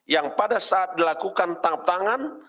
yang pada saat dilakukan tangkap tangan